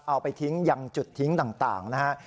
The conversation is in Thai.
เอาไปทิ้งยังจุดทิ้งต่างนะฮะ